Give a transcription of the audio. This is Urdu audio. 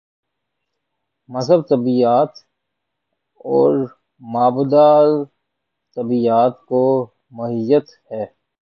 مذہب طبیعیات اور مابعدالطبیعیات کو محیط ہے۔